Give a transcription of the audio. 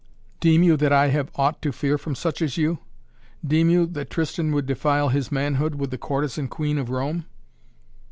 "Deem you, that I have aught to fear from such as you? Deem you, that Tristan would defile his manhood with the courtesan queen of Rome?"